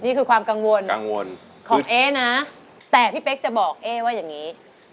นี่คือความกังวลกังวลของเอ๊นะแต่พี่เป๊กจะบอกเอ๊ว่าอย่างนี้